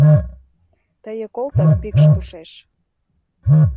Тые колто пӱкш тушеш...